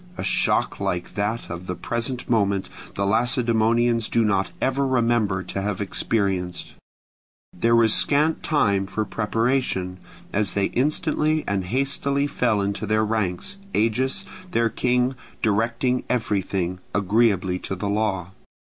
A shock like that of the present moment the Lacedaemonians do not ever remember to have experienced: there was scant time for preparation, as they instantly and hastily fell into their ranks, Agis, their king, directing everything, agreeably to the law.